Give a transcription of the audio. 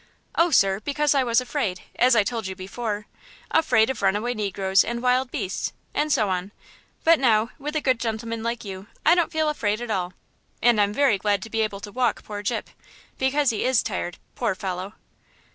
"Oh, sir, because I was afraid, as I told you before; afraid of runaway negroes and wild beasts, and so on; but now, with a good gentleman like you, I don't feel afraid at all; and I'm very glad to be able to walk poor Gyp, because he is tired, poor fellow."